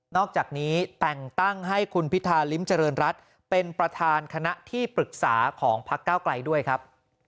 อกจากนี้แต่งตั้งให้คุณพิธาริมเจริญรัฐเป็นประธานคณะที่ปรึกษาของพักเก้าไกลด้วยครับ